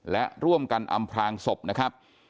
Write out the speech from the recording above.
และร่วมกันอำพลางศพนะครับ